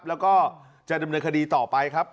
แล้วก็จะดำเนินคดีต่อไปครับ